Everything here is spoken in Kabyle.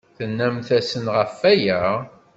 Tennamt-asen ɣef waya?